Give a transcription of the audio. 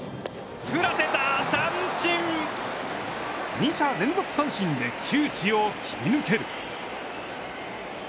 ２者連続三振で窮地を切り抜ける。